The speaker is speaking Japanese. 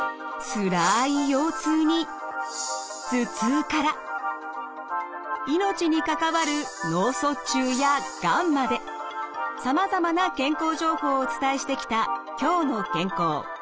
つらい腰痛に頭痛から命にかかわる脳卒中やがんまでさまざまな健康情報をお伝えしてきた「きょうの健康」。